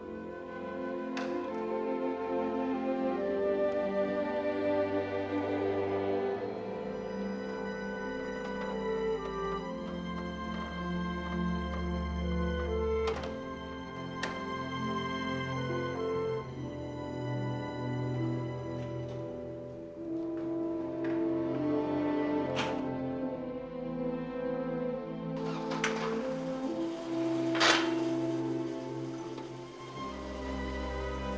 ya siapa diantara kalian bertiga anaknya pak wirjo